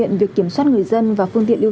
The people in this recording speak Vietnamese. hạn chế ra đường vào thời điểm này